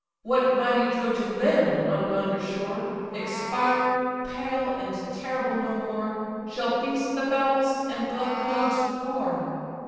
What mighty Trojan then, on yonder shore, Expiring, pale, and terrible no more, Shall feast the fowls, and glut the dogs with gore?"